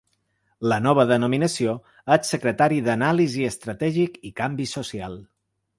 La nova denominació és secretari d’anàlisi estratègic i canvi social.